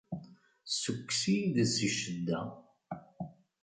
Ssukkes-iyi-d si ccedda!